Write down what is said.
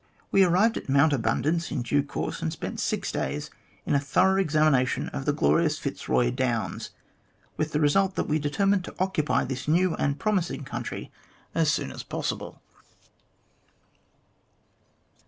We arrived at Mount Abundance in due course, and spent six days in a thorough examination of the glorious Fitzroy Downs, with the result that we determined to occupy this new and promising country as soon as possible."